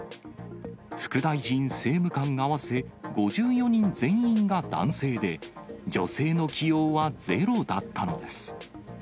副大臣、政務官合わせ５４人全員が男性で、女性の起用はゼロだったのです。